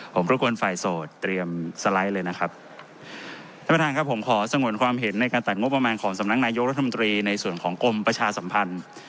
ผมรบกวนฝ่ายโสดเตรียมสไลด์เลยนะครับท่านประธานครับผมขอสงวนความเห็นในการตัดงบประมาณของสำนักนายกรัฐมนตรีในส่วนของกรมประชาสัมพันธ์